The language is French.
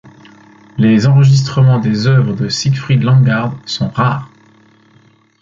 Les enregistrements des œuvres de Siegfried Langgaard sont rares.